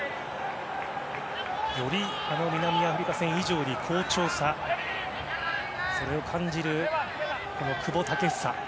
より南アフリカ戦以上に好調さそれを感じる久保建英。